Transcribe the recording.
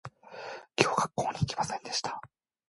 今日学校に行きませんでした